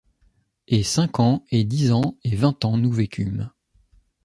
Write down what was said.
Et cinq ans, et dix ans, et vingt ans nous vécûmes